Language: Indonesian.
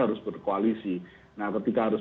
harus berkoalisi nah ketika harus